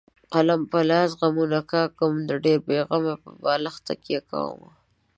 قلم په لاس غمونه کاږم د ډېره غمه په بالښت تکیه کومه.